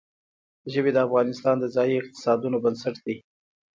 ژبې د افغانستان د ځایي اقتصادونو بنسټ دی.